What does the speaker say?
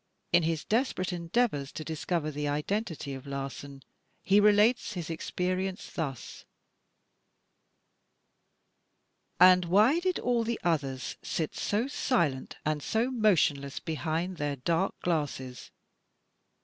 In his desperate endeavors to discover the identity of Larsan, he relates his experience thus: "And why did all the others sit so silent and so motionless behind their dark glasses?